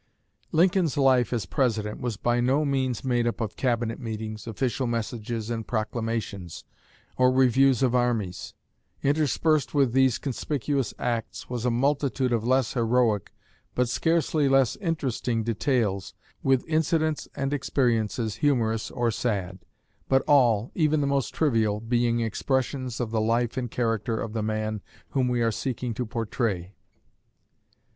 Lincoln's life as President was by no means made up of Cabinet meetings, official messages and proclamations, or reviews of armies; interspersed with these conspicuous acts was a multitude of less heroic but scarcely less interesting details, with incidents and experiences humorous or sad, but all, even the most trivial, being expressions of the life and character of the man whom we are seeking to portray.